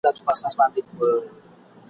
تا په پټه هر څه وکړل موږ په لوڅه ګناه کار یو ..